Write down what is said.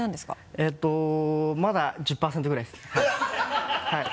えっとまだ１０％ぐらいですねはい。